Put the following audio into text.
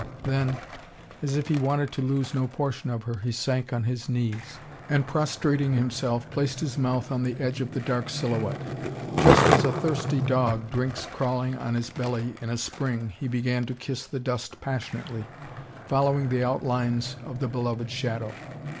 Then, as if he wanted to lose no portion of her, he sank on his knees, and prostrating himself, placed his mouth on the edge of the dark silhouette. Just as a thirsty dog drinks crawling on his belly in a spring he began to kiss the dust passionately, following the outlines of the beloved shadow.